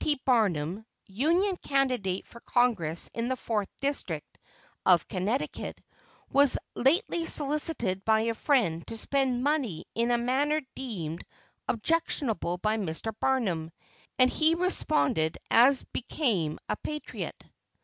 T. Barnum, Union candidate for Congress in the Fourth District of Connecticut, was lately solicited by a friend to spend money in a manner deemed objectionable by Mr. Barnum, and he responded as became a patriot.